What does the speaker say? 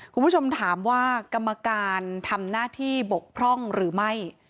คุณผู้ชมถามว่ากรรมการทำหน้าที่บกพร่องหรือไม่